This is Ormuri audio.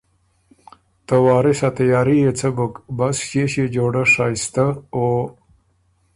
ته وارث ا تیاري يې څۀ بُک بس ݭيې ݭيې جوړۀ شائستۀ او